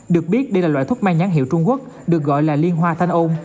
được biết đây là loại thuốc mang nhắn hiệu trung quốc được gọi là liên hoa thanh ôm